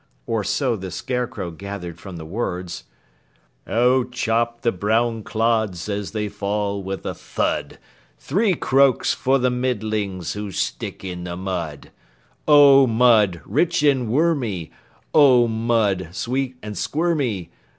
Or so the Scarecrow gathered from the words: "Oh, chop the brown clods as they fall with a thud! Three croaks for the Middlings, who stick in the Mud. Oh, mud, rich and wormy! Oh, mud, sweet and squirmy!